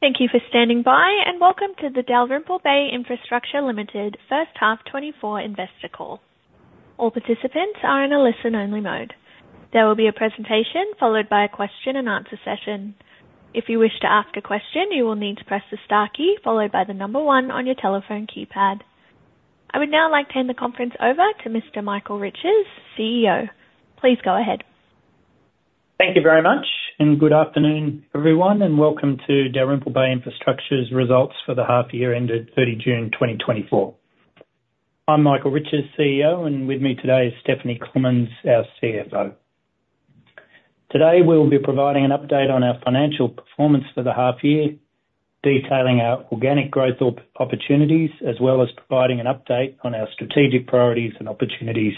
Thank you for standing by, and welcome to the Dalrymple Bay Infrastructure Limited First Half 2024 Investor Call. All participants are in a listen-only mode. There will be a presentation followed by a question-and-answer session. If you wish to ask a question, you will need to press the star key followed by the number one on your telephone keypad. I would now like to hand the conference over to Mr. Michael Riches, CEO. Please go ahead. Thank you very much, and good afternoon, everyone, and welcome to Dalrymple Bay Infrastructure's results for the half year ended thirty June 2024. I'm Michael Riches, CEO, and with me today is Stephanie Commons, our CFO. Today, we'll be providing an update on our financial performance for the half year, detailing our organic growth opportunities, as well as providing an update on our strategic priorities and opportunities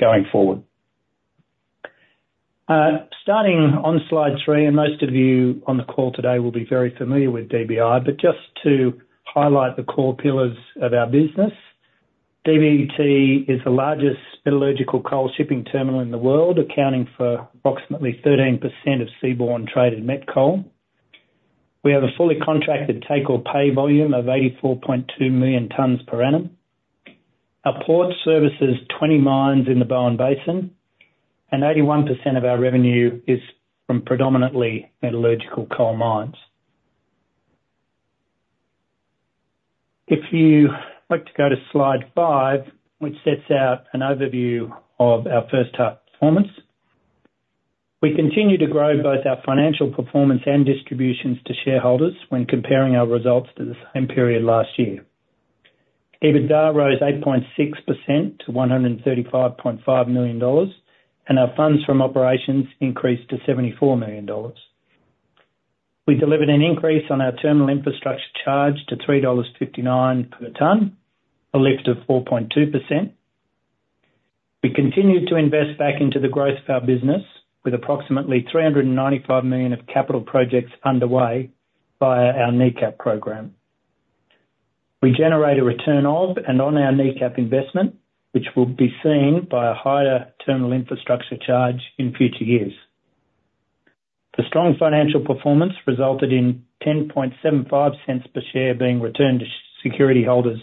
going forward. Starting on Slide three, and most of you on the call today will be very familiar with DBI, but just to highlight the core pillars of our business. DBT is the largest metallurgical coal shipping terminal in the world, accounting for approximately 13% of seaborne trade in met coal. We have a fully contracted take-or-pay volume of 84.2 million tonnes per annum. Our port services 20 mines in the Bowen Basin, and 81% of our revenue is from predominantly metallurgical coal mines. If you like to go to Slide 5, which sets out an overview of our first half performance. We continue to grow both our financial performance and distributions to shareholders when comparing our results to the same period last year. EBITDA rose 8.6% to 135.5 million dollars, and our funds from operations increased to 74 million dollars. We delivered an increase on our Terminal Infrastructure Charge to 3.59 dollars per tonne, a lift of 4.2%. We continued to invest back into the growth of our business with approximately 395 million of capital projects underway via our NECAP program. We generate a return of and on our NECAP investment, which will be seen by a higher Terminal Infrastructure Charge in future years. The strong financial performance resulted in 0.1075 per share being returned to security holders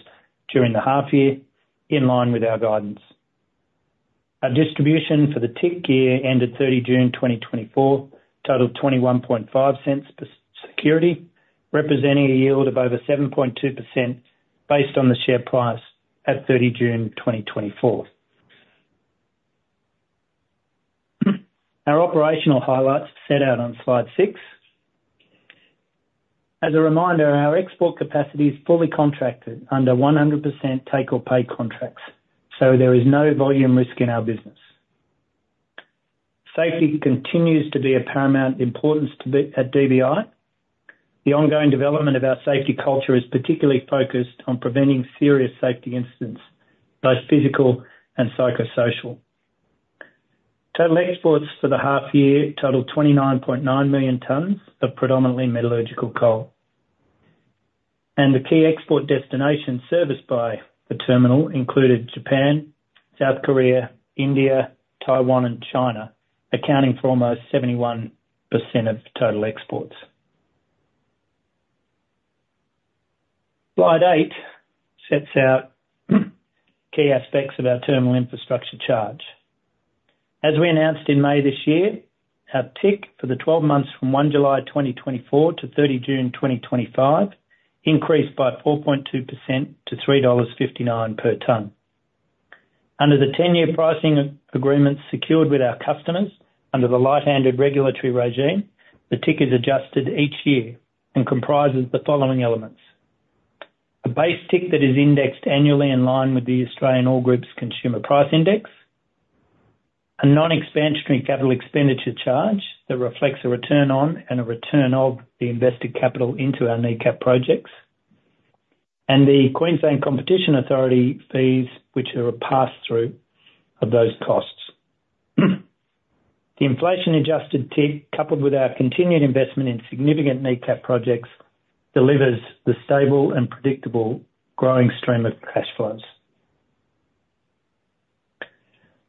during the half year, in line with our guidance. Our distribution for the TIC year, ended 30 June 2024, totaled 0.215 per security, representing a yield of over 7.2% based on the share price at 30 June 2024. Our operational highlights are set out on Slide 6. As a reminder, our export capacity is fully contracted under 100% take-or-pay contracts, so there is no volume risk in our business. Safety continues to be of paramount importance at DBI. The ongoing development of our safety culture is particularly focused on preventing serious safety incidents, both physical and psychosocial. Total exports for the half year totaled 29.9 million tonnes of predominantly metallurgical coal. The key export destinations serviced by the terminal included Japan, South Korea, India, Taiwan, and China, accounting for almost 71% of total exports. Slide eight sets out key aspects of our Terminal Infrastructure Charge. As we announced in May this year, our TIC for the twelve months from 1 July 2024 to 30 June 2025 increased by 4.2% to 3.59 dollars per tonne. Under the ten-year pricing agreement secured with our customers under the light-handed regulatory regime, the TIC is adjusted each year and comprises the following elements: The base TIC that is indexed annually in line with the Australian All Groups Consumer Price Index, a non-expansionary capital expenditure charge that reflects a return on and a return of the invested capital into our NECAP projects, and the Queensland Competition Authority fees, which are a pass-through of those costs. The inflation-adjusted TIC, coupled with our continued investment in significant NECAP projects, delivers the stable and predictable growing stream of cash flows.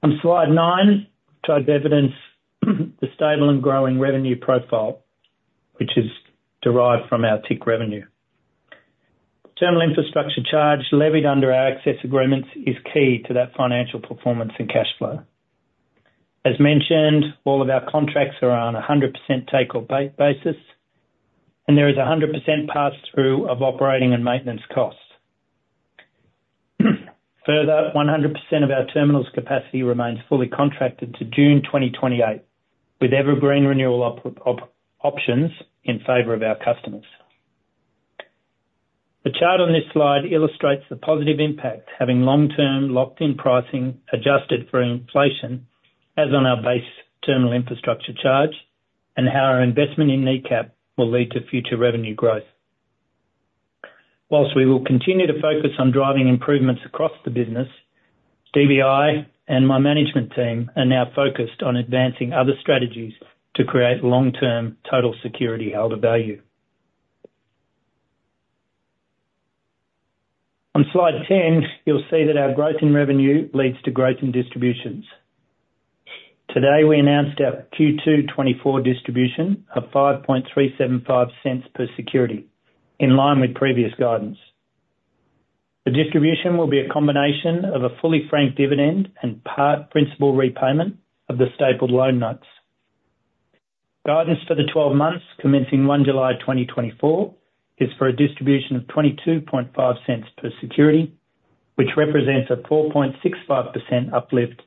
On Slide nine, which evidence the stable and growing revenue profile, which is derived from our TIC revenue. General Infrastructure Charge, levied under our access agreements, is key to that financial performance and cash flow. As mentioned, all of our contracts are on a 100% take-or-pay basis, and there is a 100% pass-through of operating and maintenance costs. Further, 100% of our terminal's capacity remains fully contracted to June 2028, with evergreen renewal options in favor of our customers. The chart on this slide illustrates the positive impact, having long-term locked-in pricing, adjusted for inflation, as shown on our base Terminal Infrastructure Charge, and how our investment in NECAP will lead to future revenue growth. While we will continue to focus on driving improvements across the business, DBI and my management team are now focused on advancing other strategies to create long-term total security holder value. On slide 10, you'll see that our growth in revenue leads to growth in distributions. Today, we announced our Q2 2024 distribution of 5.375 cents per security, in line with previous guidance. The distribution will be a combination of a fully franked dividend and part principal repayment of the stapled loan notes. Guidance for the twelve months, commencing 1 July 2024, is for a distribution of 0.225 per security, which represents a 4.65% uplift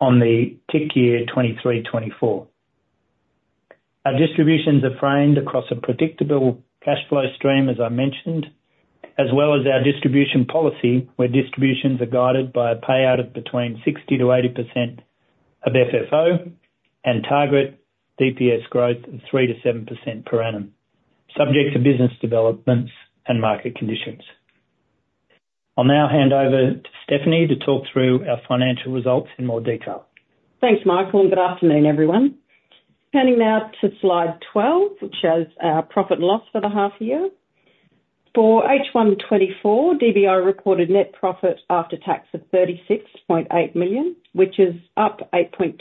on the TIC year, 2023-2024. Our distributions are funded across a predictable cash flow stream, as I mentioned, as well as our distribution policy, where distributions are guided by a payout of between 60%-80% of FFO and target DPS growth of 3%-7% per annum, subject to business developments and market conditions. I'll now hand over to Stephanie to talk through our financial results in more detail. Thanks, Michael, and good afternoon, everyone. Turning now to slide 12, which shows our profit and loss for the half year. For H1 2024, DBI recorded net profit after tax of 36.8 million, which is up 8.2%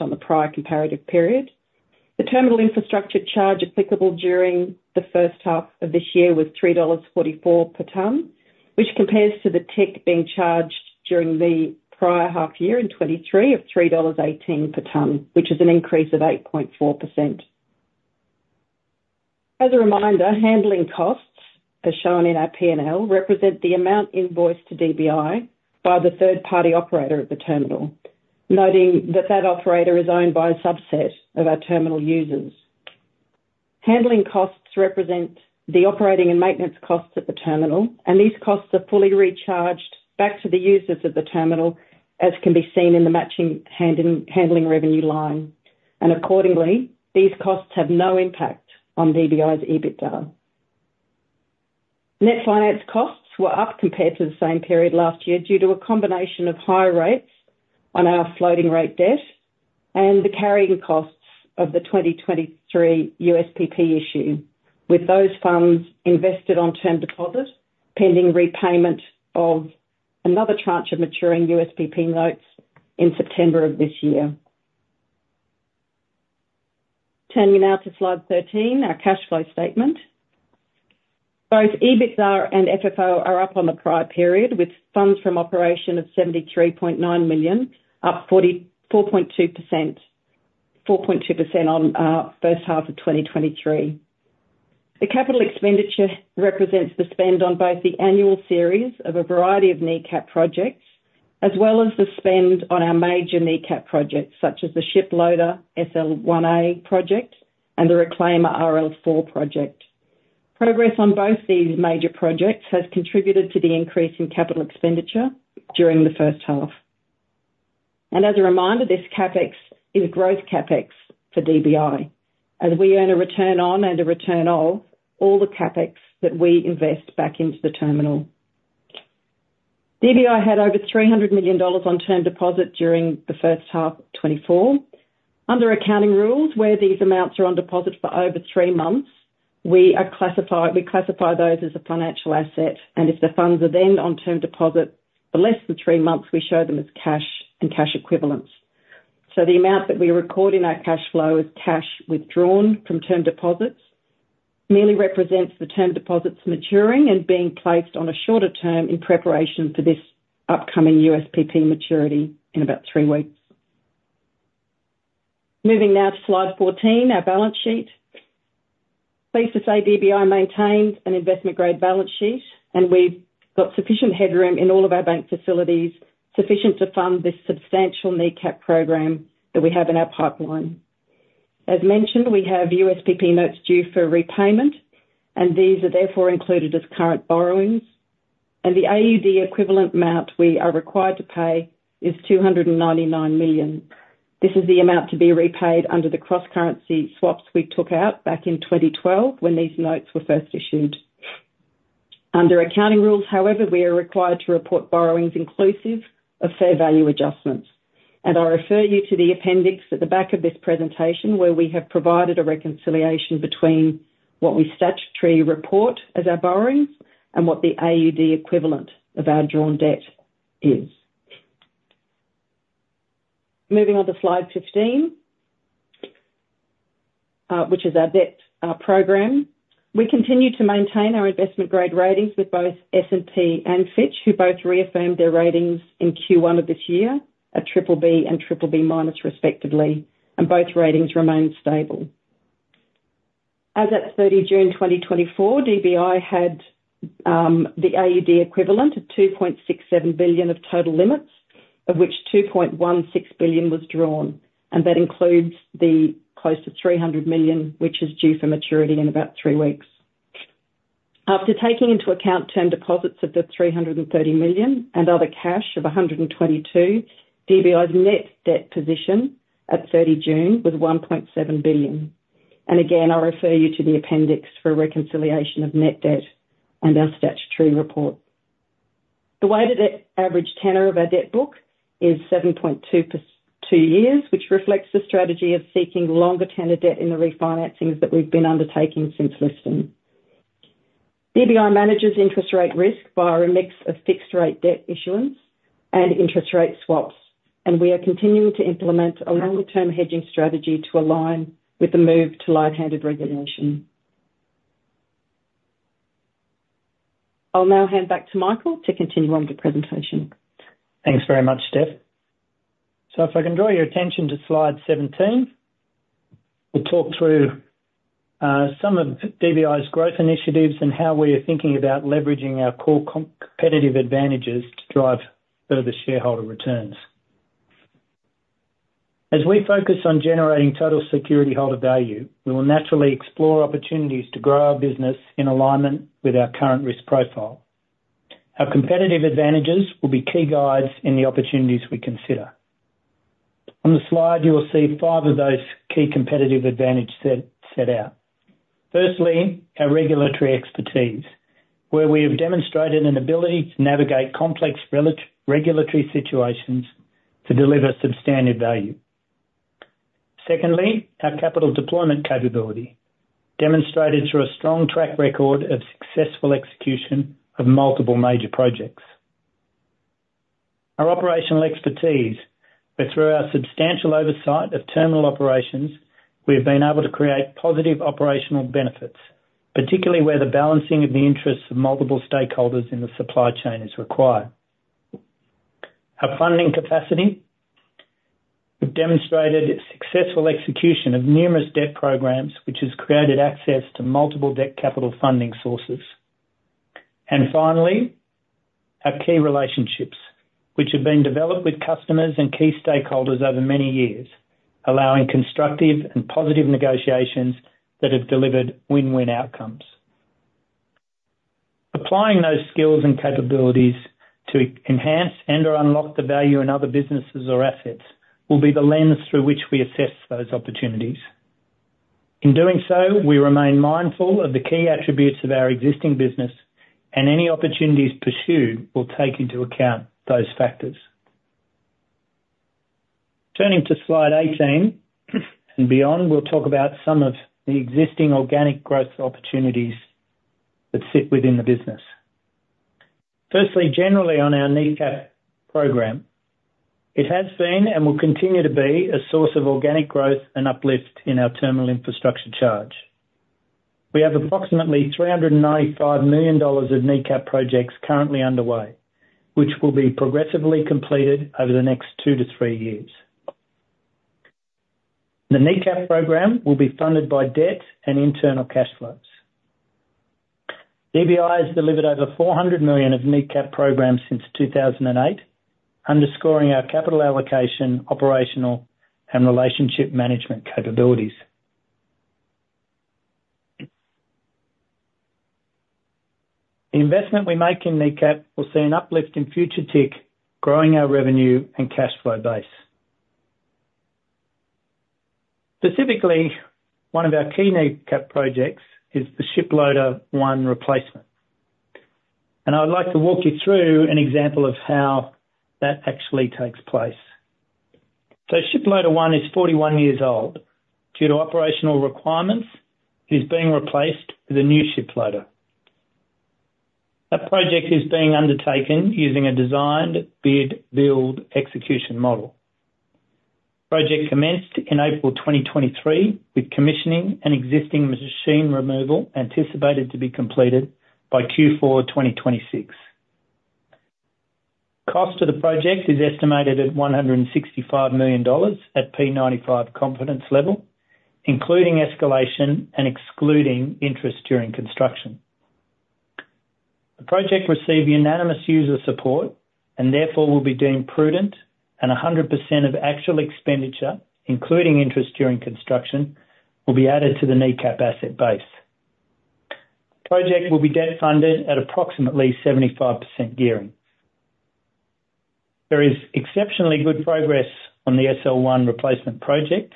on the prior comparative period. The Terminal Infrastructure Charge applicable during the first half of this year was 3.44 dollars per tonne, which compares to the TIC being charged during the prior half year in 2023, of 3.18 dollars per tonne, which is an increase of 8.4%. As a reminder, handling costs, as shown in our P&L, represent the amount invoiced to DBI by the third-party operator at the terminal, noting that that operator is owned by a subset of our terminal users. Handling costs represent the operating and maintenance costs at the terminal, and these costs are fully recharged back to the users of the terminal, as can be seen in the matching handling revenue line. Accordingly, these costs have no impact on DBI's EBITDA. Net finance costs were up compared to the same period last year, due to a combination of higher rates on our floating rate debt and the carrying costs of the 2023 USPP issue, with those funds invested on term deposit, pending repayment of another tranche of maturing USPP notes in September of this year. Turning now to slide 13, our cash flow statement. Both EBITDA and FFO are up on the prior period, with funds from operations of 73.9 million, up 4.2% on first half of 2023. The capital expenditure represents the spend on both the annual series of a variety of NECAP projects, as well as the spend on our major NECAP projects, such as the Shiploader SL1A project and the Reclaimer RL4 project. Progress on both these major projects has contributed to the increase in capital expenditure during the first half. As a reminder, this CapEx is growth CapEx for DBI, as we earn a return on and a return of all the CapEx that we invest back into the terminal. DBI had over 300 million dollars on term deposit during the first half of 2024. Under accounting rules, where these amounts are on deposit for over three months, we classify those as a financial asset, and if the funds are then on term deposit for less than three months, we show them as cash and cash equivalents. So the amount that we record in our cash flow as cash withdrawn from term deposits merely represents the term deposits maturing and being placed on a shorter term in preparation for this upcoming USPP maturity in about three weeks. Moving now to slide 14, our balance sheet. Safe to say, DBI maintains an investment-grade balance sheet, and we've got sufficient headroom in all of our bank facilities, sufficient to fund this substantial NECAP program that we have in our pipeline. As mentioned, we have USPP notes due for repayment, and these are therefore included as current borrowings. The AUD equivalent amount we are required to pay is 299 million. This is the amount to be repaid under the cross-currency swaps we took out back in 2012, when these notes were first issued. Under accounting rules, however, we are required to report borrowings inclusive of fair value adjustments. I refer you to the appendix at the back of this presentation, where we have provided a reconciliation between what we statutory report as our borrowings and what the AUD equivalent of our drawn debt is. Moving on to slide 15, which is our debt program. We continue to maintain our investment grade ratings with both S&P and Fitch, who both reaffirmed their ratings in Q1 of this year, at triple B and triple B minus, respectively, and both ratings remain stable. As at 30 June 2024, DBI had the AUD equivalent of 2.67 billion of total limits, of which 2.16 billion was drawn, and that includes the close to 300 million, which is due for maturity in about three weeks. After taking into account term deposits of 330 million and other cash of 122 million, DBI's net debt position at 30 June was 1.7 billion. And again, I refer you to the appendix for a reconciliation of net debt and our statutory report. The weighted average tenor of our debt book is 7.2 years, which reflects the strategy of seeking longer tenor debt in the refinancings that we've been undertaking since listing. DBI manages interest rate risk via a mix of fixed rate debt issuance and interest rate swaps, and we are continuing to implement a longer-term hedging strategy to align with the move to light-handed regulation. I'll now hand back to Michael to continue on with the presentation. Thanks very much, Steph, so if I can draw your attention to slide 17, we'll talk through some of DBI's growth initiatives and how we are thinking about leveraging our core competitive advantages to drive further shareholder returns. As we focus on generating total security holder value, we will naturally explore opportunities to grow our business in alignment with our current risk profile. Our competitive advantages will be key guides in the opportunities we consider. On the slide, you will see five of those key competitive advantage set out. Firstly, our regulatory expertise, where we have demonstrated an ability to navigate complex regulatory situations to deliver substantial value. Secondly, our capital deployment capability, demonstrated through a strong track record of successful execution of multiple major projects. Our operational expertise, where through our substantial oversight of terminal operations, we have been able to create positive operational benefits, particularly where the balancing of the interests of multiple stakeholders in the supply chain is required. Our funding capacity, we've demonstrated successful execution of numerous debt programs, which has created access to multiple debt capital funding sources. And finally, our key relationships, which have been developed with customers and key stakeholders over many years, allowing constructive and positive negotiations that have delivered win-win outcomes. Applying those skills and capabilities to enhance and/or unlock the value in other businesses or assets, will be the lens through which we assess those opportunities. In doing so, we remain mindful of the key attributes of our existing business, and any opportunities pursued will take into account those factors. Turning to slide 18 and beyond, we'll talk about some of the existing organic growth opportunities that sit within the business. Firstly, generally on our NECAP program, it has been, and will continue to be, a source of organic growth and uplift in our Terminal Infrastructure Charge. We have approximately 395 million dollars of NECAP projects currently underway, which will be progressively completed over the next two to three years. The NECAP program will be funded by debt and internal cash flows. DBI has delivered over 400 million of NECAP programs since 2008, underscoring our capital allocation, operational, and relationship management capabilities. The investment we make in NECAP will see an uplift in future TIC, growing our revenue and cash flow base. Specifically, one of our key NECAP projects is the Shiploader 1 replacement, and I would like to walk you through an example of how that actually takes place. So Shiploader 1 is 41 years old. Due to operational requirements, it is being replaced with a new shiploader. That project is being undertaken using a design-bid-build execution model. Project commenced in April 2023, with commissioning and existing machine removal anticipated to be completed by Q4 2026. Cost of the project is estimated at 165 million dollars at P95 confidence level, including escalation and excluding interest during construction. The project received unanimous user support, and therefore will be deemed prudent, and 100% of actual expenditure, including interest during construction, will be added to the NECAP asset base. Project will be debt-funded at approximately 75% gearing. There is exceptionally good progress on the SL1A replacement project,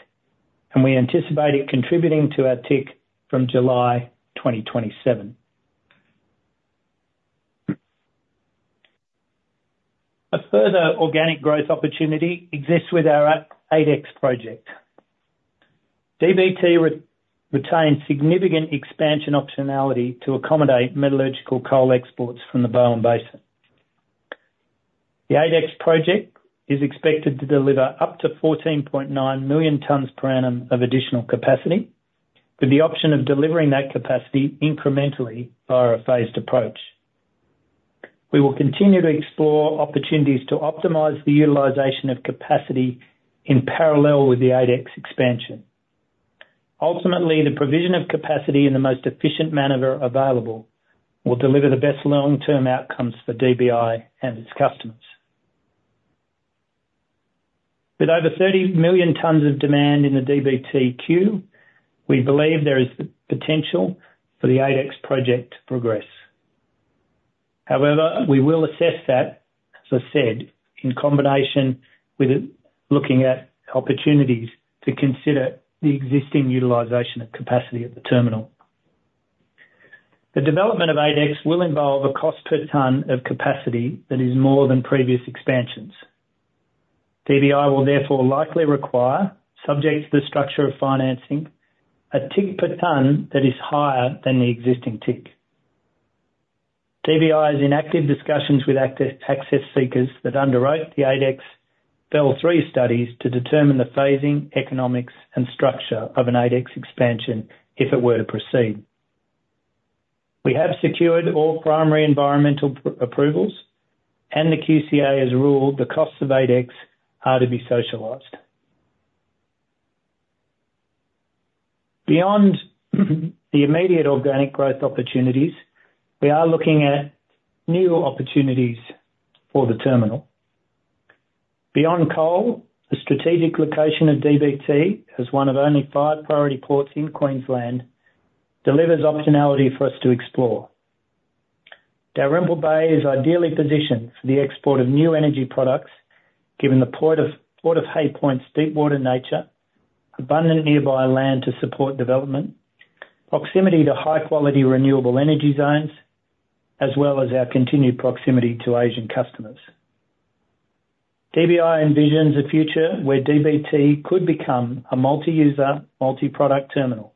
and we anticipate it contributing to our TIC from July 2027. A further organic growth opportunity exists with our 8X project. DBT retains significant expansion optionality to accommodate metallurgical coal exports from the Bowen Basin. The 8X project is expected to deliver up to 14.9 million tonnes per annum of additional capacity, with the option of delivering that capacity incrementally via a phased approach. We will continue to explore opportunities to optimize the utilization of capacity in parallel with the 8X expansion. Ultimately, the provision of capacity in the most efficient manner available will deliver the best long-term outcomes for DBI and its customers. With over 30 million tonnes of demand in the DBT queue, we believe there is the potential for the 8X project to progress. However, we will assess that, as I said, in combination with it looking at opportunities to consider the existing utilization of capacity at the terminal. The development of 8X will involve a cost per tonne of capacity that is more than previous expansions. DBI will therefore likely require, subject to the structure of financing, a TIC per tonne that is higher than the existing TIC. DBI is in active discussions with access seekers that underwrite the 8X FEL 3 studies to determine the phasing, economics, and structure of an 8X expansion if it were to proceed. We have secured all primary environmental approvals, and the QCA has ruled the costs of 8X are to be socialized. Beyond the immediate organic growth opportunities, we are looking at new opportunities for the terminal. Beyond coal, the strategic location of DBT, as one of only five priority ports in Queensland, delivers optionality for us to explore. Dalrymple Bay is ideally positioned for the export of new energy products, given the Port of Hay Point's deep water nature, abundant nearby land to support development, proximity to high-quality renewable energy zones, as well as our continued proximity to Asian customers. DBI envisions a future where DBT could become a multi-user, multi-product terminal,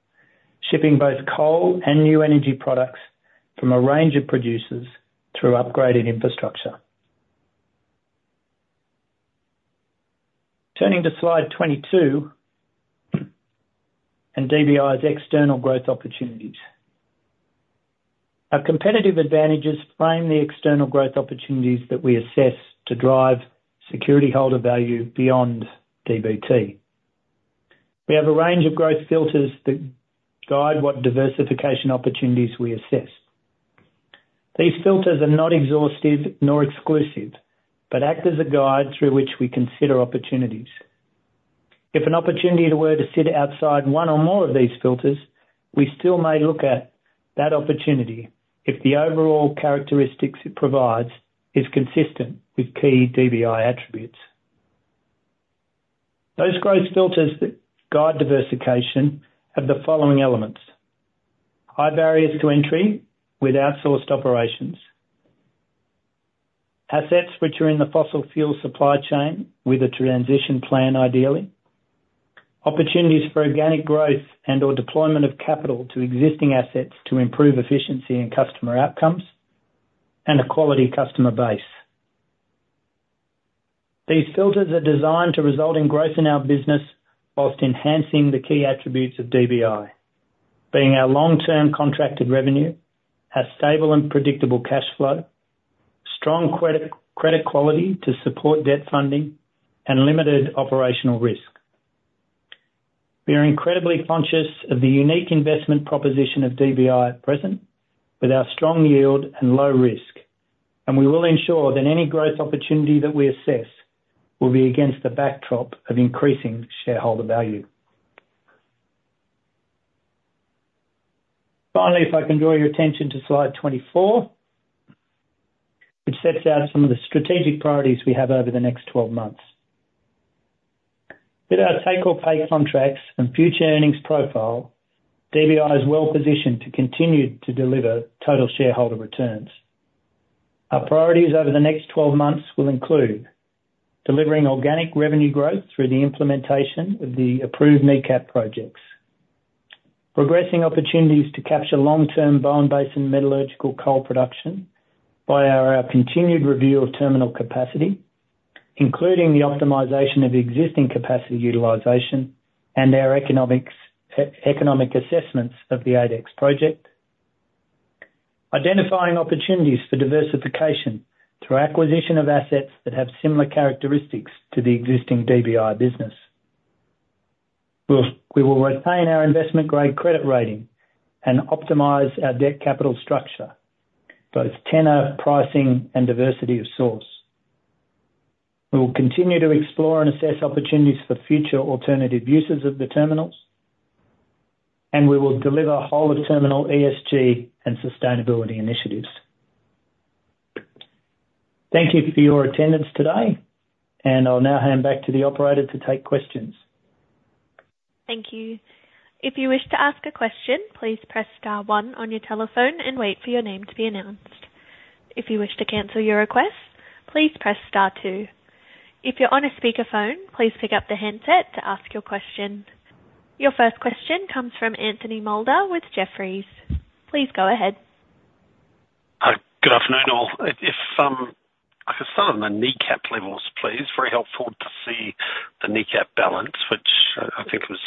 shipping both coal and new energy products from a range of producers through upgraded infrastructure. Turning to slide 22, and DBI's external growth opportunities. Our competitive advantages frame the external growth opportunities that we assess to drive security holder value beyond DBT. We have a range of growth filters that guide what diversification opportunities we assess. These filters are not exhaustive nor exclusive, but act as a guide through which we consider opportunities. If an opportunity were to sit outside one or more of these filters, we still may look at that opportunity if the overall characteristics it provides is consistent with key DBI attributes. Those growth filters that guide diversification have the following elements: high barriers to entry with outsourced operations; assets which are in the fossil fuel supply chain with a transition plan, ideally; opportunities for organic growth and/or deployment of capital to existing assets to improve efficiency and customer outcomes; and a quality customer base. These filters are designed to result in growth in our business while enhancing the key attributes of DBI, being our long-term contracted revenue, our stable and predictable cash flow, strong credit, credit quality to support debt funding, and limited operational risk. We are incredibly conscious of the unique investment proposition of DBI at present, with our strong yield and low risk, and we will ensure that any growth opportunity that we assess will be against the backdrop of increasing shareholder value. Finally, if I can draw your attention to slide 24, which sets out some of the strategic priorities we have over the next 12 months. With our take-or-pay contracts and future earnings profile, DBI is well positioned to continue to deliver total shareholder returns. Our priorities over the next 12 months will include: delivering organic revenue growth through the implementation of the approved NECAP projects. Progressing opportunities to capture long-term Bowen Basin metallurgical coal production by our continued review of terminal capacity, including the optimization of existing capacity utilization and our economic assessments of the 8X project. Identifying opportunities for diversification through acquisition of assets that have similar characteristics to the existing DBI business. We will retain our investment-grade credit rating and optimize our debt capital structure, both tenor, pricing, and diversity of source. We will continue to explore and assess opportunities for future alternative uses of the terminals, and we will deliver whole-of-terminal ESG and sustainability initiatives. Thank you for your attendance today, and I'll now hand back to the operator to take questions. Thank you. If you wish to ask a question, please press star one on your telephone and wait for your name to be announced. If you wish to cancel your request, please press star two. If you're on a speakerphone, please pick up the handset to ask your question. Your first question comes from Anthony Moulder with Jefferies. Please go ahead. Hi, good afternoon, all. If I could start on the NECAP levels, please. Very helpful to see the NECAP balance, which I think was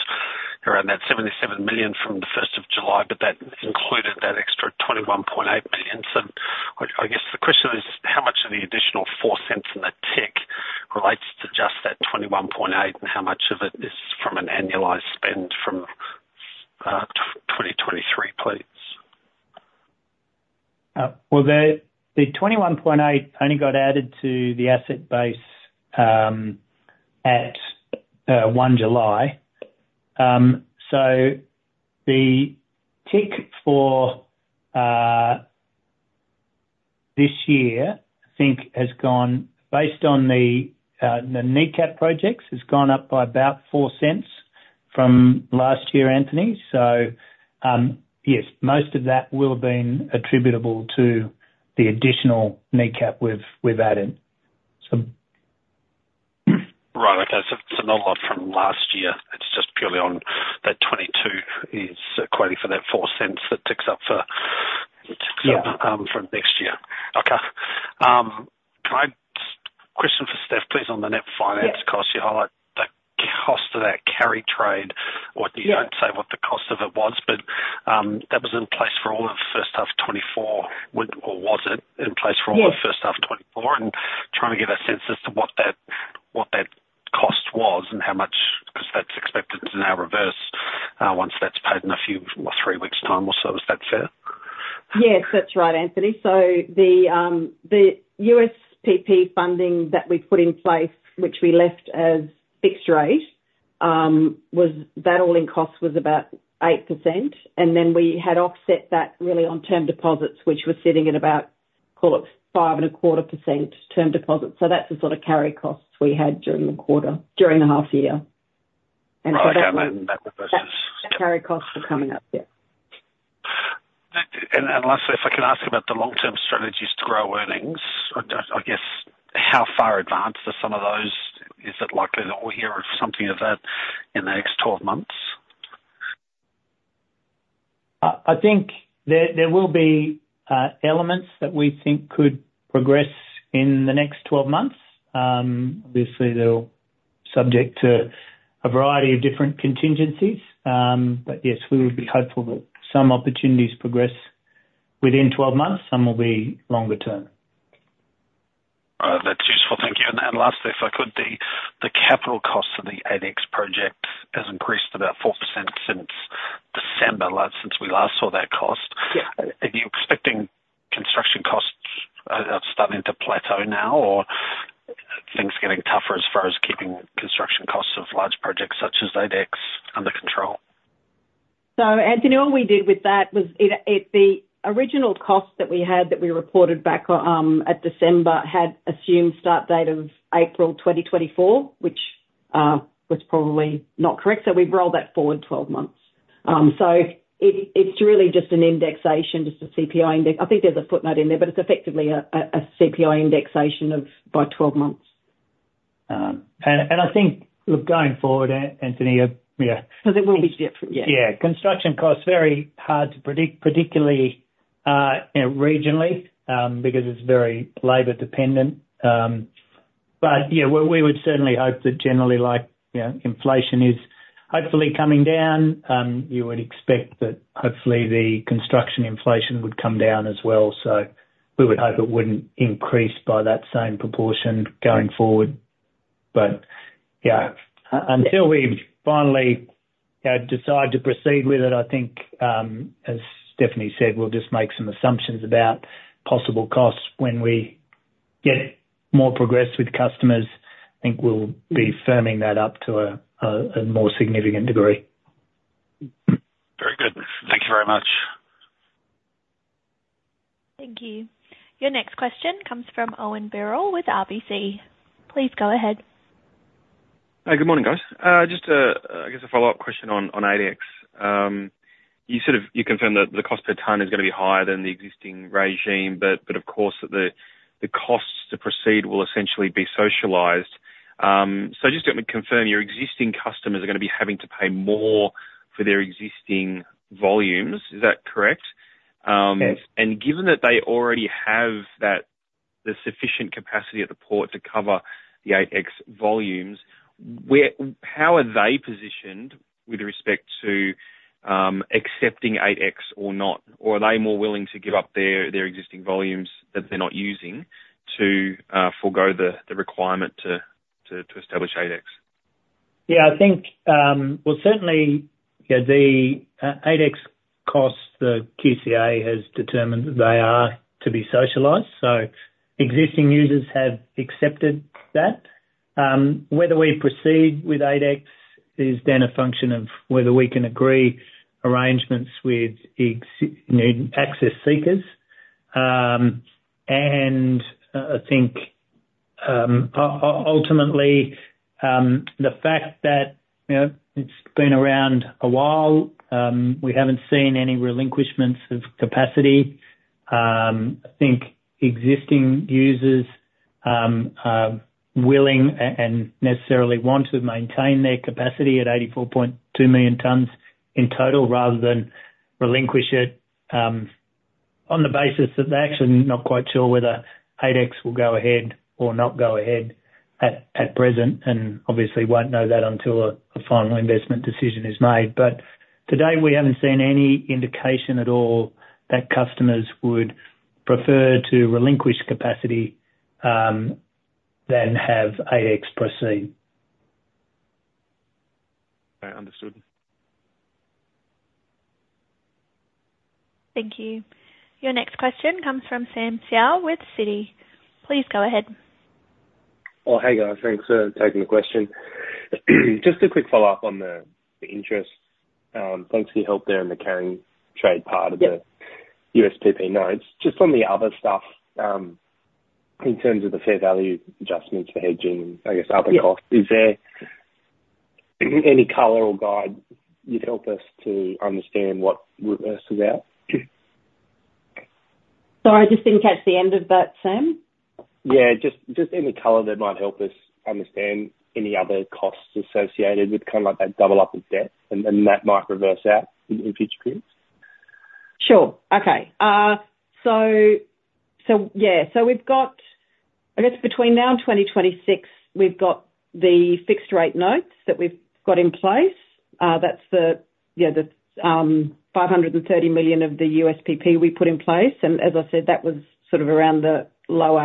around that 77 million from the first of July, but that included that extra 21.8 million. So I guess the question is: How much of the additional four cents in the TIC relates to just that 21.8, and how much of it is from an annualized spend from 2023, please? The 21.8 only got added to the asset base at 1 July. The TIC for this year, I think, based on the NECAP projects, has gone up by about 0.04 from last year, Anthony. Yes, most of that will have been attributable to the additional NECAP we've added. Right. Okay, so not a lot from last year. It's just purely on that 2022 equating for that 0.04 that ticks up for- Yeah From next year. Okay. Can I just question for Steph, please, on the net finance costs. Yeah. You highlight the cost of that carry trade, or you- Yeah don't say what the cost of it was, but, that was in place for all of the first half of twenty-four, would... or was it in place for all- Yes... the first half of 2024? And trying to get a sense as to what that cost was, and how much, 'cause that's expected to now reverse, once that's paid in a few, or three weeks' time or so. Is that fair? Yes, that's right, Anthony. So the USPP funding that we put in place, which we left as fixed rate, was. That all-in cost was about 8%, and then we had offset that really on term deposits, which were sitting at about, call it, 5.25% term deposits. So that's the sort of carry costs we had during the quarter, during the half year, and carry costs are coming up, yeah. And lastly, if I can ask about the long-term strategies to grow earnings. I guess, how far advanced are some of those? Is it likely that we'll hear of something of that in the next twelve months? I think there will be elements that we think could progress in the next twelve months. Obviously, they're subject to a variety of different contingencies. But yes, we would be hopeful that some opportunities progress within twelve months. Some will be longer term. That's useful. Thank you. And then lastly, if I could, the capital cost of the 8X project has increased about 4% since December, since we last saw that cost. Yeah. Are you expecting construction costs are starting to plateau now, or are things getting tougher as far as keeping construction costs of large projects such as 8X under control? So Anthony, what we did with that was it. The original cost that we had, that we reported back at December, had assumed start date of April 2024, which was probably not correct, so we've rolled that forward twelve months. So it's really just an indexation, just a CPI index. I think there's a footnote in there, but it's effectively a CPI indexation by twelve months. I think, look, going forward, Anthony, yeah. So there will be different, yeah. Yeah. Construction costs, very hard to predict, particularly, you know, regionally, because it's very labor dependent. But yeah, we would certainly hope that generally, like, you know, inflation is hopefully coming down. You would expect that hopefully the construction inflation would come down as well, so we would hope it wouldn't increase by that same proportion going forward. But yeah, until we finally, you know, decide to proceed with it, I think, as Stephanie said, we'll just make some assumptions about possible costs. When we get more progress with customers, I think we'll be firming that up to a more significant degree. Very good. Thank you very much. Thank you. Your next question comes from Owen Birrell with RBC. Please go ahead. Good morning, guys. Just a, I guess, a follow-up question on 8X. You sort of confirmed that the cost per ton is gonna be higher than the existing regime, but of course, the costs to proceed will essentially be socialized. So just let me confirm, your existing customers are gonna be having to pay more for their existing volumes, is that correct? Yes. And given that they already have that the sufficient capacity at the port to cover the 8X volumes, how are they positioned with respect to accepting 8X or not? Or are they more willing to give up their existing volumes that they're not using to forgo the requirement to establish 8X? Yeah, I think. Well, certainly, you know, the 8X costs, the QCA has determined that they are to be socialized, so existing users have accepted that. Whether we proceed with 8X is then a function of whether we can agree arrangements with existing, you know, access seekers. And, I think, ultimately, the fact that, you know, it's been around a while, we haven't seen any relinquishments of capacity. I think existing users are willing and necessarily want to maintain their capacity at eighty-four point two million tons in total, rather than relinquish it, on the basis that they're actually not quite sure whether 8X will go ahead or not go ahead at present, and obviously won't know that until a final investment decision is made. But to date, we haven't seen any indication at all that customers would prefer to relinquish capacity than have 8X proceed. Uh, understood. Thank you. Your next question comes from Sam Seow with Citi. Please go ahead.... Oh, hey guys, thanks for taking the question. Just a quick follow-up on the interest. Thanks for your help there in the carrying trade part of the- Yep. - USPP notes. Just on the other stuff, in terms of the fair value adjustments for hedging and I guess other costs- Yeah. Is there any color or guide you'd help us to understand what reverses out? Sorry, I just didn't catch the end of that, Sam. Yeah, just any color that might help us understand any other costs associated with kind of like that double up of debt, and that might reverse out in future periods. Sure. Okay. So yeah, so we've got I guess between now and 2026, we've got the fixed rate notes that we've got in place. That's the, yeah, the $530 million of the USPP we put in place, and as I said, that was sort of around the low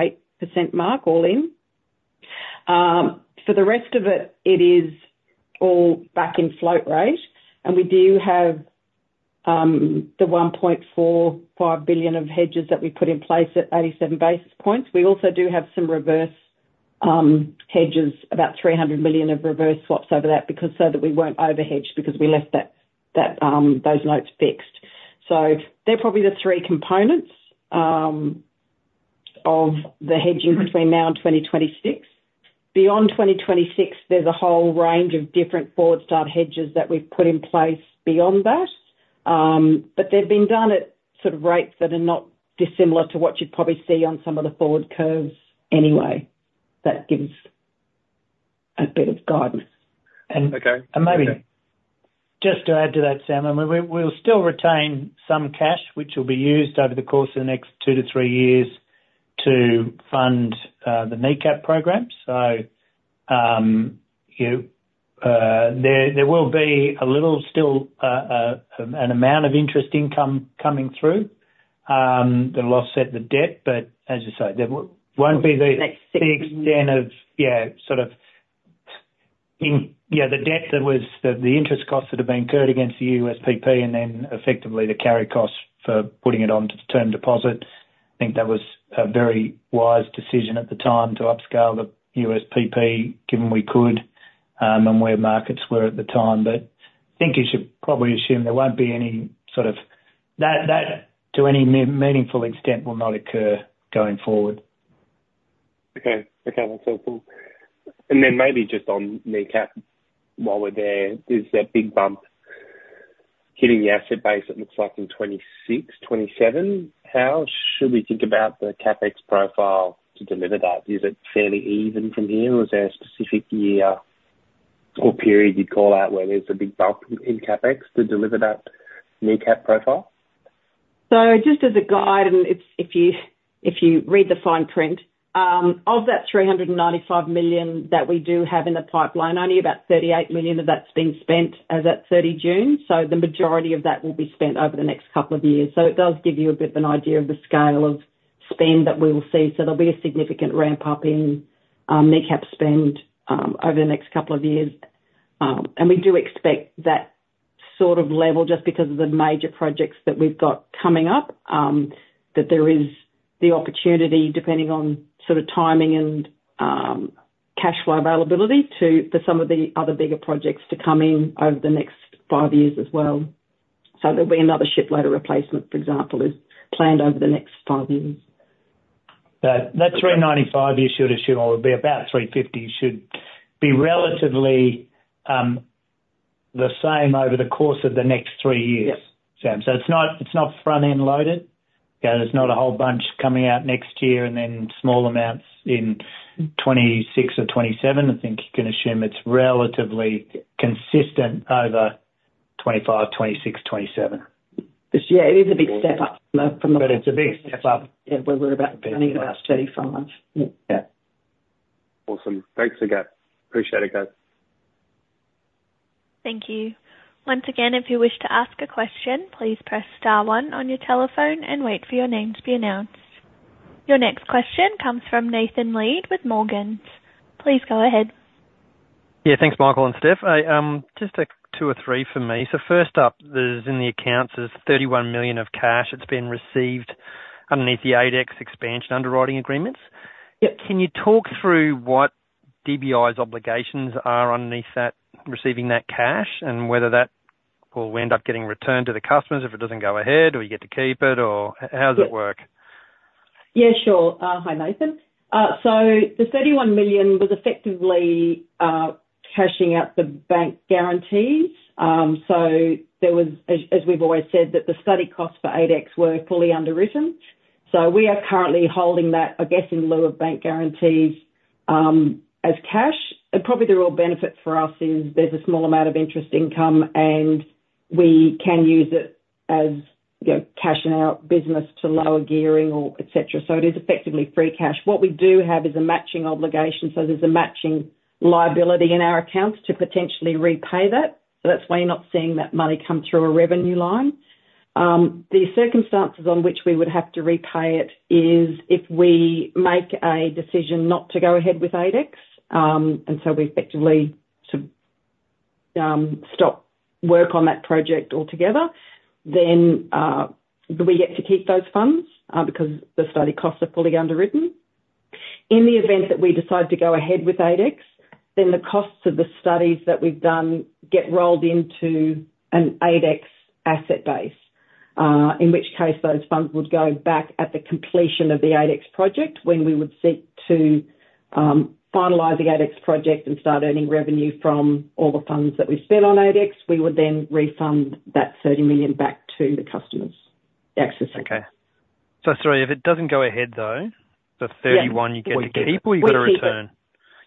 8% mark, all in. For the rest of it, it is all back in float rate, and we do have the $1.45 billion of hedges that we put in place at 87 basis points. We also do have some reverse hedges, about $300 million of reverse swaps over that, because so that we won't overhedge because we left that those notes fixed. So they're probably the three components of the hedging between now and 2026. Beyond 2026, there's a whole range of different forward start hedges that we've put in place beyond that. But they've been done at sort of rates that are not dissimilar to what you'd probably see on some of the forward curves anyway. That gives a bit of guidance. And- Okay. And maybe- Just to add to that, Sam, and we, we'll still retain some cash, which will be used over the course of the next two to three years to fund the NECAP program. So, there will be a little still an amount of interest income coming through, that'll offset the debt, but as you say, there won't be the- Next six- the extent of, yeah, sort of, in, yeah, the debt that was. The interest costs that have been incurred against the USPP, and then effectively the carry costs for putting it onto the term deposit. I think that was a very wise decision at the time to upscale the USPP, given we could, and where markets were at the time. But I think you should probably assume there won't be any sort of. That, to any meaningful extent, will not occur going forward. Okay. Okay, that's all. Cool. And then maybe just on NECAP, while we're there, is that big bump hitting the asset base it looks like in 2026, 2027? How should we think about the CapEx profile to deliver that? Is it fairly even from here, or is there a specific year or period you'd call out where there's a big bump in CapEx to deliver that NECAP profile? Just as a guide, and it's, if you read the fine print of that 395 million that we do have in the pipeline, only about 38 million of that's been spent as at 30 June. So the majority of that will be spent over the next couple of years. So it does give you a bit of an idea of the scale of spend that we will see. So there'll be a significant ramp-up in NECAP spend over the next couple of years. And we do expect that sort of level just because of the major projects that we've got coming up, that there is the opportunity, depending on sort of timing and cash flow availability to, for some of the other bigger projects to come in over the next five years as well. So there'll be another ship loader replacement, for example, is planned over the next five years. That three ninety-five you should assume will be about three fifty, should be relatively the same over the course of the next three years- Yep. Sam. So it's not, it's not front-end loaded. Yeah, there's not a whole bunch coming out next year and then small amounts in twenty-six or twenty-seven. I think you can assume it's relatively consistent over twenty-five, twenty-six, twenty-seven. This year is a big step up from the But it's a big step up. Yeah, where we're about twenty versus thirty-five. Yeah. Awesome. Thanks again. Appreciate it, guys. Thank you. Once again, if you wish to ask a question, please press star one on your telephone and wait for your name to be announced. Your next question comes from Nathan Lead with Morgans. Please go ahead. Yeah, thanks, Michael and Steph. I just a two or three for me. So first up, there's in the accounts 31 million of cash that's been received underneath the 8X expansion underwriting agreements. Yep. Can you talk through what DBI's obligations are underneath that, receiving that cash, and whether that will end up getting returned to the customers if it doesn't go ahead, or you get to keep it, or how does it work? Yeah, sure. Hi, Nathan, so the 31 million was effectively cashing out the bank guarantees, so there was, as we've always said, that the study costs for 8X were fully underwritten, so we are currently holding that, I guess, in lieu of bank guarantees, as cash, and probably the real benefit for us is there's a small amount of interest income, and we can use it as, you know, cashing out business to lower gearing or et cetera, so it is effectively free cash. What we do have is a matching obligation, so there's a matching liability in our accounts to potentially repay that, so that's why you're not seeing that money come through a revenue line. The circumstances on which we would have to repay it is, if we make a decision not to go ahead with 8X, and so we effectively stop work on that project altogether, then, do we get to keep those funds? Because the study costs are fully underwritten. In the event that we decide to go ahead with 8X, then the costs of the studies that we've done get rolled into an 8X asset base. In which case those funds would go back at the completion of the 8X project, when we would seek to finalize the 8X project and start earning revenue from all the funds that we've spent on 8X, we would then refund that 30 million back to the customers. Access them. Okay. So, sorry, if it doesn't go ahead, though- Yeah. The thirty-one, you get to keep or you get a return?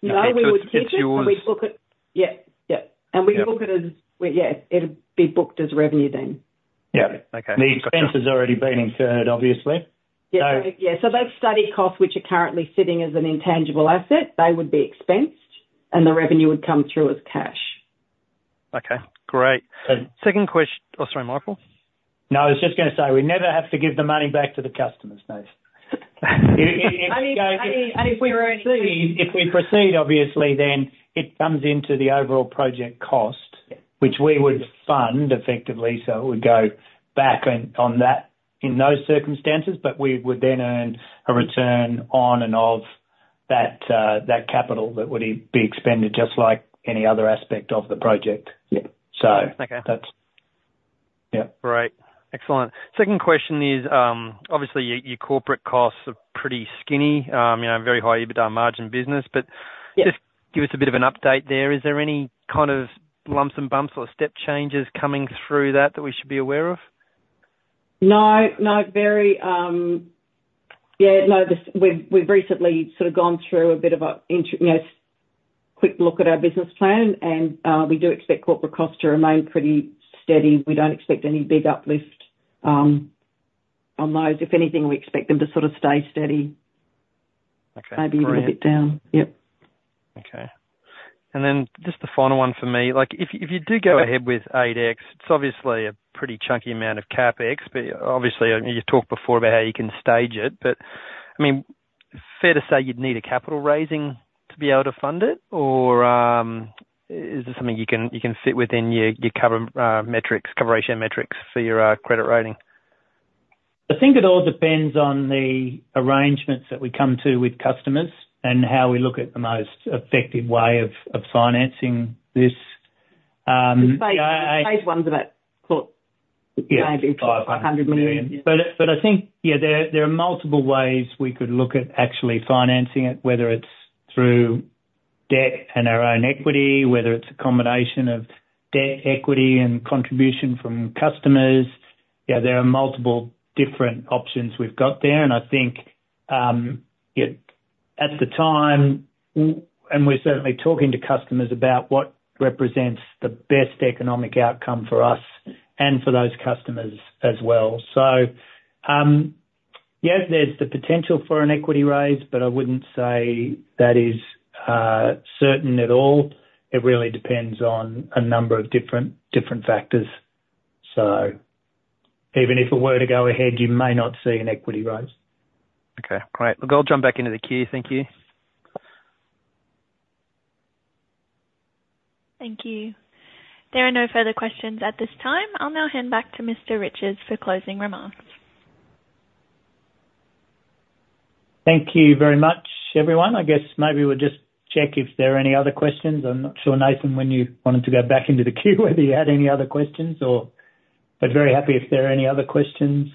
We keep it. No, we would keep it- So if you- And we book it. Yep. Yep. Yep. We book it as... Yeah, it'll be booked as revenue then. Yeah. Okay. The expense has already been incurred, obviously. Yeah, yeah. So those study costs, which are currently sitting as an intangible asset, they would be expensed and the revenue would come through as cash. Okay, great. So- Second question... Oh, sorry, Michael? No, I was just gonna say, we never have to give the money back to the customers, Nathan. I, I, I- If we proceed, obviously, then it comes into the overall project cost- Yeah. which we would fund effectively, so it would go back on that, in those circumstances, but we would then earn a return on and of that capital that would be expended just like any other aspect of the project. Yeah. So- Okay. That's... Yeah. Great. Excellent. Second question is, obviously your corporate costs are pretty skinny, you know, very high EBITDA margin business. Yeah. But just give us a bit of an update there. Is there any kind of lumps and bumps or step changes coming through that we should be aware of? No, no, very. Yeah, no, this, we've recently sort of gone through a bit of a quick look at our business plan, and we do expect corporate costs to remain pretty steady. We don't expect any big uplift on those. If anything, we expect them to sort of stay steady. Okay, great. Maybe even a bit down. Yep. Okay. And then just the final one for me, like, if you do go ahead with 8X, it's obviously a pretty chunky amount of CapEx, but obviously, you talked before about how you can stage it, but, I mean, fair to say you'd need a capital raising to be able to fund it? Or, is this something you can fit within your coverage metrics, coverage ratio metrics for your credit rating? I think it all depends on the arrangements that we come to with customers, and how we look at the most effective way of financing this. Stage one's about, look, maybe- 500 million Hundred million. I think, yeah, there are multiple ways we could look at actually financing it, whether it's through debt and our own equity, whether it's a combination of debt, equity, and contribution from customers. Yeah, there are multiple different options we've got there, and I think, yeah, at the time, and we're certainly talking to customers about what represents the best economic outcome for us and for those customers as well. Yeah, there's the potential for an equity raise, but I wouldn't say that is certain at all. It really depends on a number of different factors. Even if it were to go ahead, you may not see an equity raise. Okay, great. Look, I'll jump back into the queue. Thank you. Thank you. There are no further questions at this time. I'll now hand back to Mr. Riches for closing remarks. Thank you very much, everyone. I guess maybe we'll just check if there are any other questions. I'm not sure, Nathan, when you wanted to go back into the queue, whether you had any other questions or... But very happy if there are any other questions.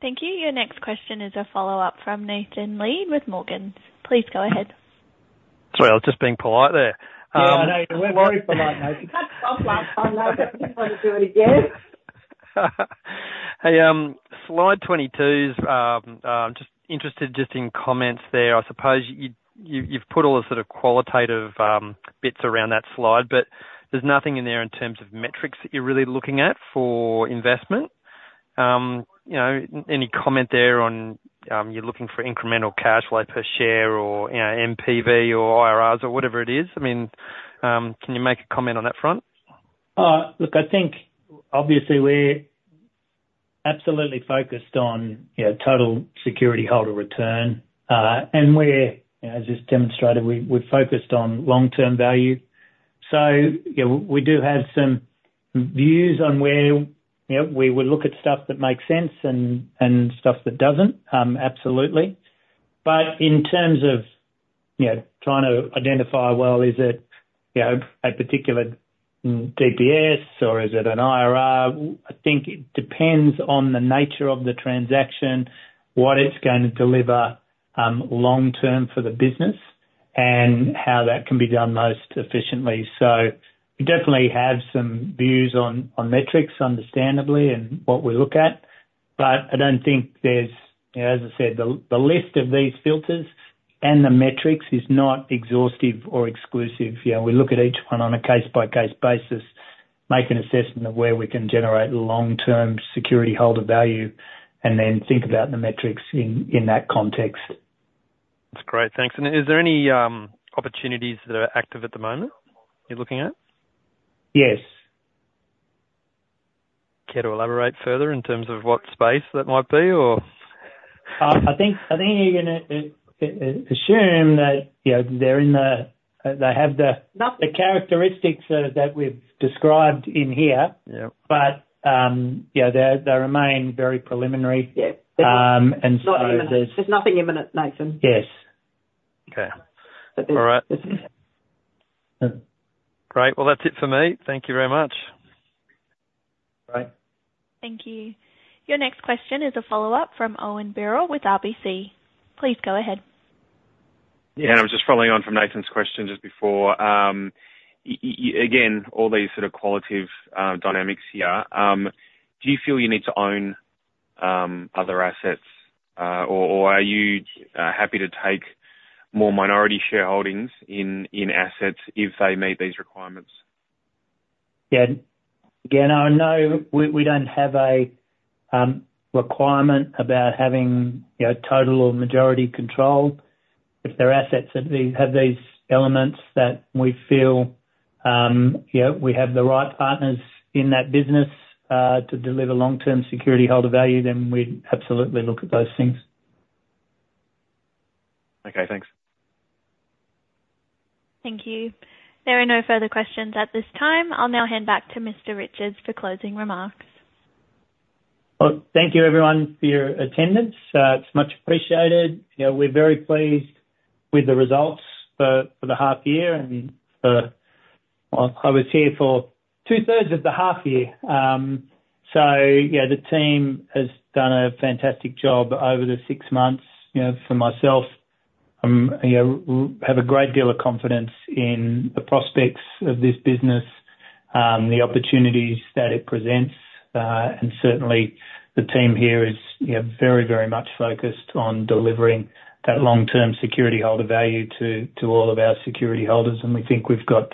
Thank you. Your next question is a follow-up from Nathan Lead with Morgans. Please go ahead. Sorry, I was just being polite there. Yeah, I know. You're very polite, Nathan. You want to do it again? Hey, slide twenty-two's just interested in comments there. I suppose you've put all the sort of qualitative bits around that slide, but there's nothing in there in terms of metrics that you're really looking at for investment. You know, any comment there on you're looking for incremental cash flow per share or, you know, NPV or IRRs or whatever it is? I mean, can you make a comment on that front? Look, I think obviously we're absolutely focused on, you know, total security holder return, and we're, as just demonstrated, focused on long-term value, so you know, we do have some views on where, you know, we would look at stuff that makes sense and stuff that doesn't, absolutely, but in terms of, you know, trying to identify, well, is it, you know, a particular DPS or is it an IRR? I think it depends on the nature of the transaction, what it's going to deliver, long-term for the business, and how that can be done most efficiently, so we definitely have some views on metrics, understandably, and what we look at, but I don't think there's... You know, as I said, the list of these filters and the metrics is not exhaustive or exclusive. You know, we look at each one on a case-by-case basis, make an assessment of where we can generate long-term security holder value, and then think about the metrics in, in that context. That's great. Thanks. And is there any opportunities that are active at the moment, you're looking at? Yes.... care to elaborate further in terms of what space that might be, or? I think you're gonna assume that, you know, they have not the characteristics that we've described in here. Yeah. But, you know, they remain very preliminary. Yeah. And so there's- There's nothing imminent, Nathan. Yes. Okay. But there's- All right. Great! Well, that's it for me. Thank you very much. Right. Thank you. Your next question is a follow-up from Owen Birrell with RBC. Please go ahead. Yeah, and I was just following on from Nathan's question just before. Again, all these sort of qualitative dynamics here, do you feel you need to own other assets? Or, are you happy to take more minority shareholdings in assets if they meet these requirements? Yeah. Again, no, we don't have a requirement about having, you know, total or majority control. If there are assets that have these elements that we feel, you know, we have the right partners in that business to deliver long-term security holder value, then we'd absolutely look at those things. Okay, thanks. Thank you. There are no further questions at this time. I'll now hand back to Mr. Riches for closing remarks. Thank you, everyone, for your attendance. It's much appreciated. You know, we're very pleased with the results for the half year. I was here for two-thirds of the half year. So yeah, the team has done a fantastic job over the six months. You know, for myself, you know, we have a great deal of confidence in the prospects of this business, the opportunities that it presents, and certainly the team here is, you know, very, very much focused on delivering that long-term security holder value to all of our security holders. We think we've got,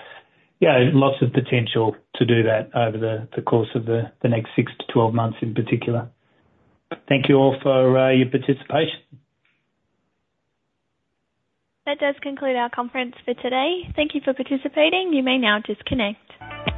you know, lots of potential to do that over the course of the next six to 12 months in particular. Thank you all for your participation. That does conclude our conference for today. Thank you for participating. You may now disconnect.